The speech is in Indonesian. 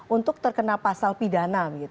untuk terkena pasal pidana